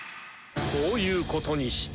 そういうことにした。